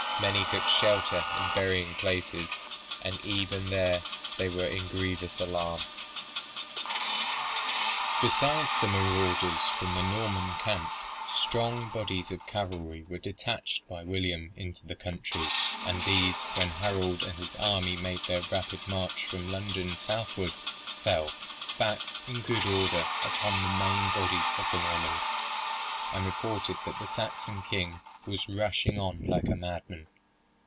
Many took shelter in burying places, and even there they were in grievous alarm." Besides the marauders from the Norman camp, strong bodies of cavalry were detached by William into the country, and these, when Harold and his army made their rapid march from London southward, fell, back in good order upon the main body of the Normans, and reported that the Saxon king was rushing on like a madman.